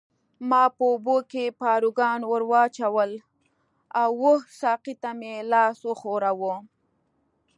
ما په اوبو کې پاروګان ورواچول او وه ساقي ته مې لاس وښوراوه.